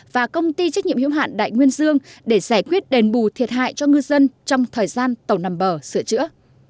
và công ty trách nhiệm hiếu hạn đại nguyên dương để giải quyết đền bù thiệt hại cho ngư dân trong thời gian tàu nằm bờ sửa chữa